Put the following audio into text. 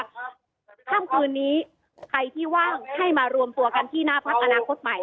ค่ำคืนนี้ใครที่ว่างให้มารวมตัวกันที่หน้าพักอนาคตใหม่